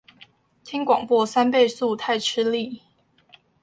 聽廣播三倍速太吃力